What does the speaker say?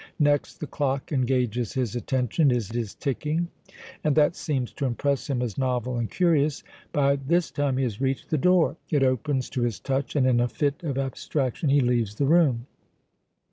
Next the clock engages his attention; it is ticking, and that seems to impress him as novel and curious. By this time he has reached the door; it opens to his touch, and in a fit of abstraction he leaves the room."